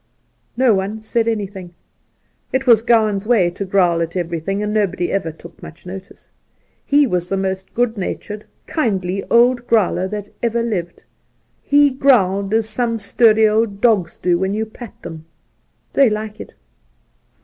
No one said anything ; it was Gowan's way to growl at everything, and nobody ever took much notice. He was the most good natured, kindly old growler that ever lived'. He growled as some sturdy old dogs do when you pat them — they like it.